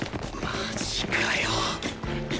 マジかよ。